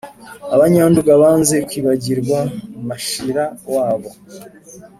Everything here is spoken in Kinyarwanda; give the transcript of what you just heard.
- abanyanduga banze kwibagirwa mashira wabo: